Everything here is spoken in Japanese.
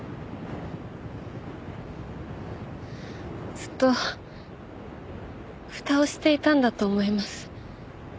ずっとふたをしていたんだと思います。